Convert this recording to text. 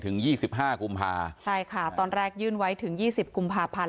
ยี่สิบห้ากุมภาใช่ค่ะตอนแรกยื่นไว้ถึงยี่สิบกุมภาพันธ์